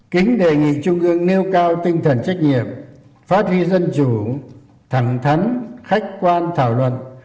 kính đề nghị trung ương nêu cao tinh thần trách nhiệm phát huy dân chủ thẳng thắn khách quan thảo luận